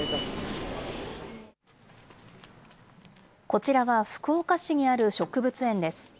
こちらは福岡市にある植物園です。